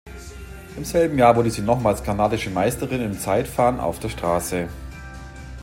Im selben Jahr wurde sie nochmals kanadische Meisterin im Zeitfahren auf der Straße.